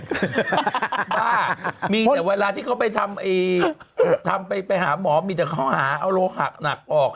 บ้ามีแต่เวลาที่เขาไปทำไปหาหมอมีแต่เขาหาเอาโลหะหนักออก